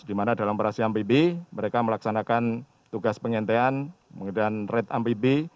di mana dalam operasi amfibi mereka melaksanakan tugas pengentean menggunakan red amfibi